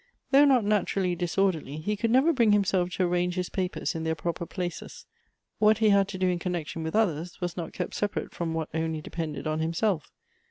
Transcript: Though not naturally disorderly, he could never bring himself to arrange his papers in their proper places. What he had to do in connection with others, was not kept separate from what only depended on him self.